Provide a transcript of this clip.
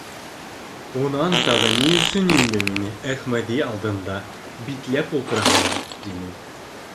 Унан тағы ни өсөн инде мине Әхмәҙи алдында битләп ултыраһың? — тине.